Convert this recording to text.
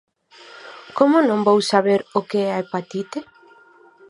¿Como non vou saber o que é a hepatite?